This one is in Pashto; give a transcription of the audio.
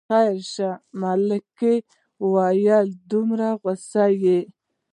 خیر شه ملکه، ولې دومره غوسه یې.